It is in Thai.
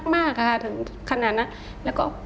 แม่